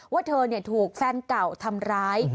ว่าเธอถูกแฟนเก่าทำร้าย